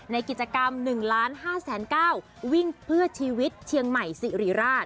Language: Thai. ในกิจกรรม๑๕๙๐๐วิ่งเพื่อชีวิตเชียงใหม่สิริราช